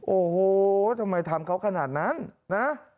โอ้โหทำไมทำเขาขนาดนั้นนะ